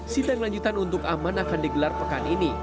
sidang lanjutan untuk aman akan digelar pekan ini